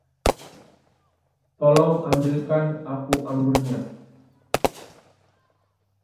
Tolong ambilkan aku anggurnya.